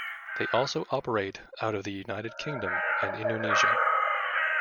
They also operate out of the United Kingdom and Indonesia.